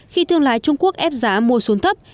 khi thương lái trung quốc ép giá mua xuống thấp